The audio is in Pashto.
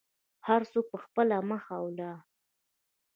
هر څوک په خپله مخه ولاړو.